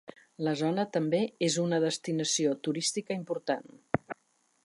La zona també és una destinació turística important.